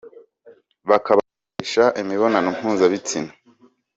bakabakoresha imibonano mpuzabitsina